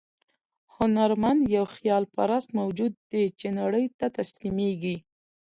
هنرمند یو خیال پرست موجود دی چې نړۍ ته تسلیمېږي.